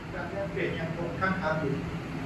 การแลกเปลี่ยนยังคงคั่งค้างอยู่